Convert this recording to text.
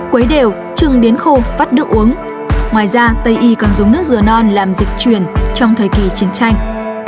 quấy đều chừng đến khô vắt nước uống ngoài ra tây y còn dùng nước dừa non làm dịch truyền trong thời kỳ chiến tranh